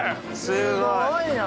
すごいな。